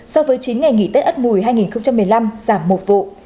so với chín ngày nghỉ tết ất mùi hai nghìn một mươi năm giảm một vụ